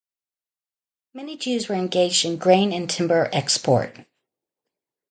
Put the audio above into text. Many Jews were engaged in grain and timber export.